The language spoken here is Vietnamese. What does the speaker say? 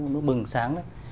nó bừng sáng đấy